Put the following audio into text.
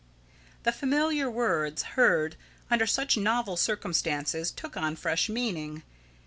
The familiar words, heard under such novel circumstances, took on fresh meaning.